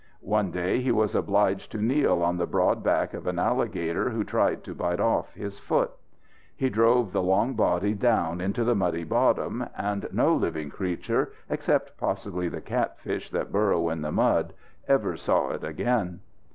One day he was obliged to kneel on the broad back of an alligator who tried to bite off his foot. He drove the long body down into the muddy bottom, and no living creature, except possibly the catfish that burrow in the mud, ever saw it again.